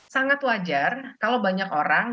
sangat wajar kalau banyak orang